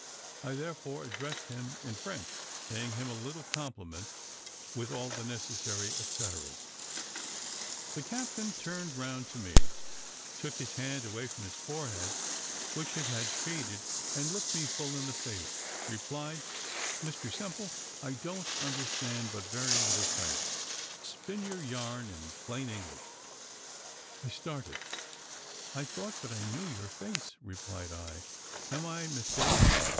I therefore addressed him in French, paying him a long compliment, with all the necessary et ceteras. The captain turned round to me, took his hand away from his forehead, which it had shaded, and looking me full in the face, replied, "Mr Simple, I don't understand but very little French. Spin your yarn in plain English." I started "I thought that I knew your face," replied I; "am I mistaken?